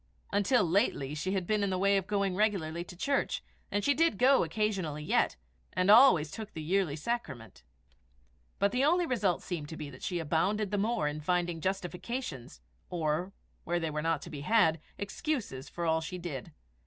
Until lately, she had been in the way of going regularly to church, and she did go occasionally yet, and always took the yearly sacrament; but the only result seemed to be that she abounded the more in finding justifications, or, where they were not to be had, excuses, for all she did.